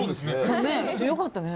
よかったね。